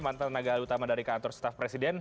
mantan tenaga utama dari kantor staf presiden